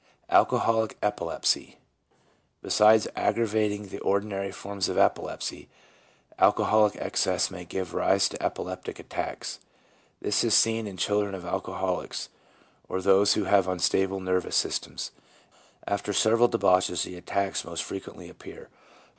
AlcoJwlic Epilepsy. — Besides aggravating the ordi nary forms of epilepsy, alcoholic excess may give rise to epileptic attacks. 3 This is seen in children of alcoholics or those who have unstable nervous systems. 4 After several debauches the attacks most frequently appear.